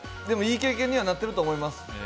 でも、いい経験にはなってると思います。